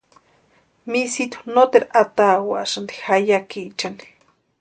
Misitu noteru atawasïnti jeyakiichani.